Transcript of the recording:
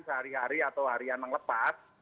sehari hari atau harian melepas